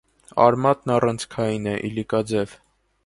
Արմատն առանցքային է, իլիկաձև։